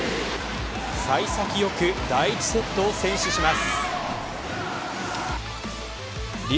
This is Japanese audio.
幸先良く、第１セットをセーブします。